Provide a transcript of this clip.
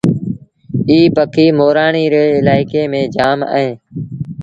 ايٚ پکي مورآڻي ري الآئيڪي ميݩ جآم اهي۔